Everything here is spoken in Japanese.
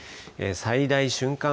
最大瞬間